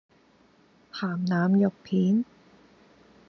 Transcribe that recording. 咸腩肉片